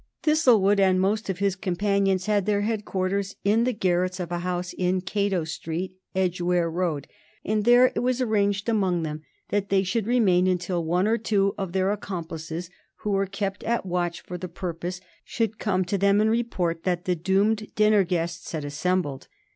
Thistlewood and most of his companions had their headquarters in the garrets of a house in Cato Street, Edgware Road, and there it was arranged among them that they should remain until one or two of their accomplices, who were kept at watch for the purpose, should come to them and report that the doomed dinner guests had assembled.